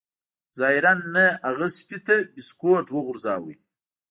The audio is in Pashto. ظاهراً نه هغه سپي ته بسکټ وغورځاوه